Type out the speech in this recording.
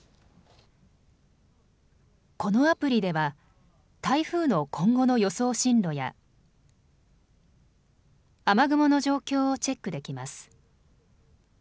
このアプリでは台風の今後の予想進路や雨雲の状況をチェックできます。